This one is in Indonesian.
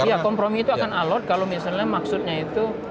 iya kompromi itu akan alot kalau misalnya maksudnya itu